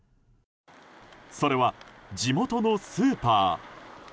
それは、地元のスーパー。